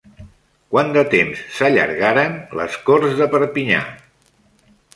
Quant de temps s'allargaren les Corts de Perpinyà?